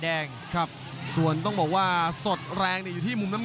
แดงครับส่วนต้องบอกว่าสดแรงเนี่ยอยู่ที่มุมน้ำ